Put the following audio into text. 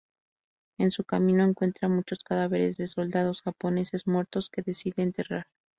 En su camino encuentra muchos cadáveres de soldados japoneses muertos, que decide enterrar.